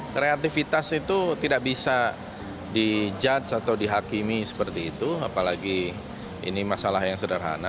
kreativitas itu tidak bisa dijudge atau dihakimi seperti itu apalagi ini masalah yang sederhana